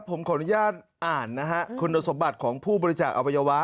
ผมขออนุญาตอ่านนะฮะคุณสมบัติของผู้บริจาคอวัยวะ